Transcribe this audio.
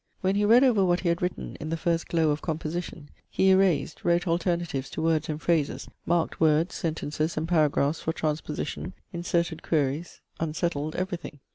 When he read over what he had written in the first glow of composition, he erased, wrote alternatives to words and phrases, marked words, sentences, and paragraphs for transposition, inserted queries: unsettled everything.